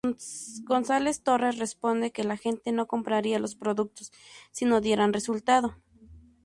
González Torres responde que la gente no compraría los productos si no dieran resultado.